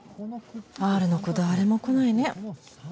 Ｒの子誰も来ないね。